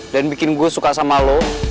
dan bikin gue suka sama lo